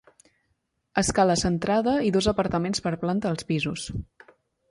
Escala centrada i dos apartaments per planta als pisos.